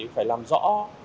phải làm rõ